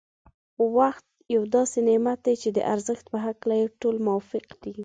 وخت یو داسې نعمت دی چي د ارزښت په هکله يې ټول موافق دی.